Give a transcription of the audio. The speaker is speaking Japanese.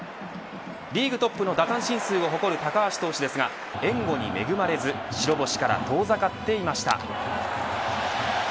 リーグトップの奪三振数を誇る高橋投手ですが援護に恵まれず、白星から遠ざかっていました。